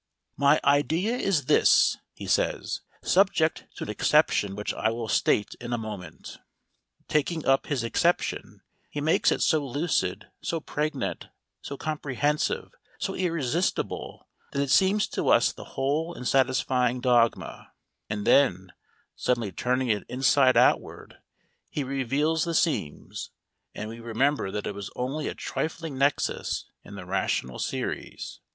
"My idea is this," he says, "subject to an exception which I will state in a moment." Taking up his exception, he makes it so lucid, so pregnant, so comprehensive, so irresistible, that it seems to us the whole and satisfying dogma; and then, suddenly turning it inside outward, he reveals the seams, and we remember that it was only a trifling nexus in the rational series.